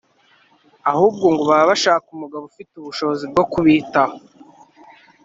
ahubwo ngo baba bashaka umugabo ufite ubushobozi bwo kubitaho